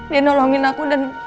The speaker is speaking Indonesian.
dia nolongin aku dan